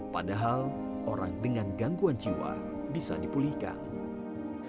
padahal orang dengan gangguan jiwa bisa dipulihkan